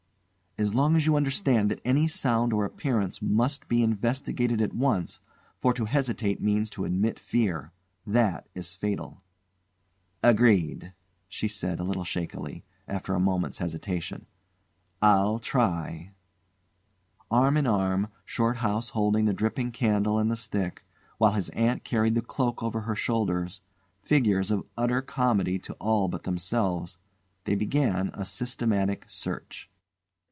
"As long as you understand that any sound or appearance must be investigated at once, for to hesitate means to admit fear. That is fatal." "Agreed," she said, a little shakily, after a moment's hesitation. "I'll try " Arm in arm, Shorthouse holding the dripping candle and the stick, while his aunt carried the cloak over her shoulders, figures of utter comedy to all but themselves, they began a systematic search.